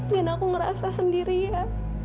dan aku ngerasa sendirian